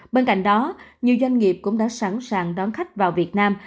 bên cạnh đó nhiều doanh nghiệp cũng đã sẵn sàng đón khách vào việt nam